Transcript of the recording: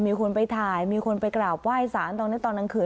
มีคนไปถ่ายมีคนไปกราบไหว้สารตอนนี้ตอนกลางคืน